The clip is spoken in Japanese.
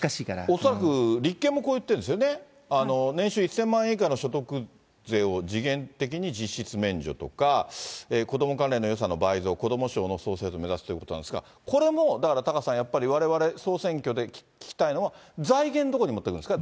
恐らく立憲もこう言ってるんですよね、年収１０００万円以下の所得税を時限的に実質免除とか、子ども関連の予算の倍増、子ども省の創設を目指すということなんですが、これもだからタカさん、やっぱりわれわれ総選挙で聞きたいのは、財源どこに持ってくんですか？